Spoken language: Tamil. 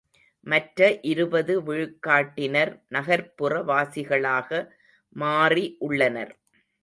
மற்ற இருபது விழுக்காட்டினர் நகர்ப்புற வாசிகளாக மாறி உள்ளனர்.